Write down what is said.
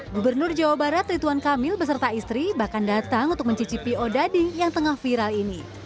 gubernur jawa barat rituan kamil beserta istri bahkan datang untuk mencicipi odading yang tengah viral ini